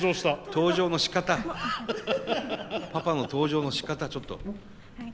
登場のしかたパパの登場のしかたちょっと。